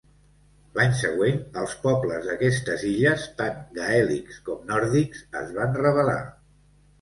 L’any següent, els pobles d’aquestes illes, tant gaèlics com nòrdics, es van rebel·lar.